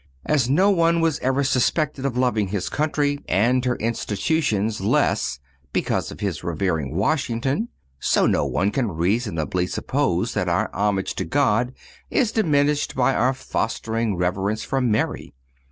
As no one was ever suspected of loving his country and her institutions less because of his revering Washington, so no one can reasonably suppose that our homage to God is diminished by our fostering reverence for Mary.